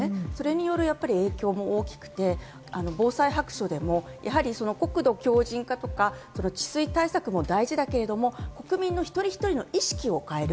それによる影響も大きくて、防災白書でも国土強靭化とか、治水対策も大事だけれども、国民の１人１人の意識を変える。